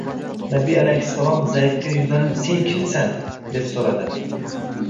Nabiy alayhissalom Zaydga yuzlanib: “Sen kimsan?” deb so‘radilar